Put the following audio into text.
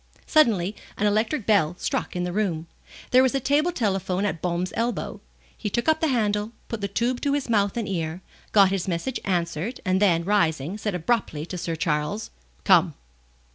Suddenly an electric bell struck in the room. There was a table telephone at Baume's elbow; he took up the handle, put the tube to his mouth and ear, got his message answered, and then, rising, said abruptly to Sir Charles: "Come."